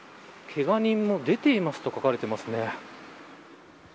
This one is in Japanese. けが人も出ていますと書かれていますね。